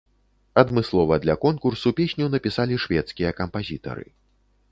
Адмыслова для конкурсу песню напісалі шведскія кампазітары.